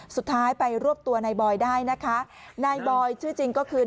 สุดท้ายไปรวบตัวนายบอยได้นะคะนายบอยชื่อจริงก็คือ